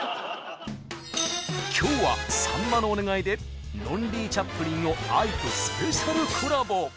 今日はさんまのお願いで「ロンリー・チャップリン」をＡＩとスペシャルコラボ！